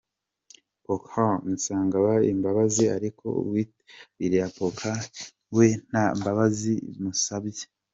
Pocahontas ngusabye imbabazi ariko uwiyitirira Pocahontas we nta mbabazi musabye.